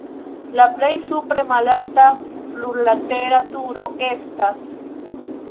La plej supre malalta plurlatera turo estas.